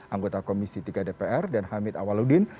anggota komisi tiga dpr dan hamid awaludin